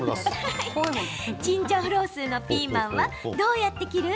チンジャオロースーのピーマンはどうやって切る？